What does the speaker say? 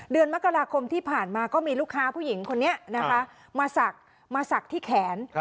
เดือนมกราคมที่ผ่านมาก็มีลูกค้าผู้หญิงคนนี้นะคะมาศักดิ์ที่แขน